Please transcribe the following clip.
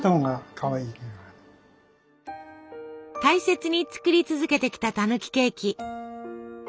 大切に作り続けてきたたぬきケーキ。